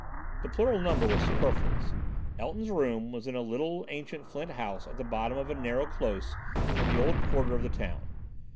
The plural number was superfluous. Elton's room was in a little ancient flint house at the bottom of a narrow close in the old quarter of the town.